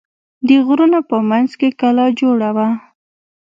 د غرونو په منځ کې کلا جوړه وه.